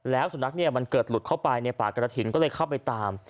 แล้วสุนัขมันเกิดหลุดเข้าไปในป่ากระถิ่นก็เลยเข้าไปตาม